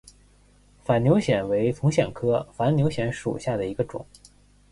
反扭藓为丛藓科反扭藓属下的一个种。